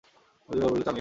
মৃদু গলায় বলল, চা নিন।